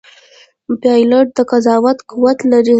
پیلوټ د قضاوت قوت لري.